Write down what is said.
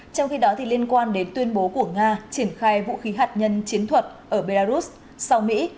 trong khi đó liên quan đến tuyên bố của nga triển khai vũ khí hạt nhân chiến thuật ở belarus sau mỹ